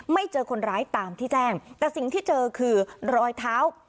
เจอคนร้ายตามที่แจ้งแต่สิ่งที่เจอคือรอยเท้า